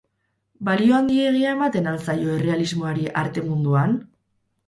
Balio handiegia ematen al zaio errealismoari arte munduan?